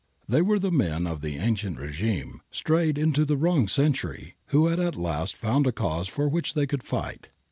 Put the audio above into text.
They were the men of the ancien Hgime^ strayed into the wrong century, who had at last found a cause for which they could fight.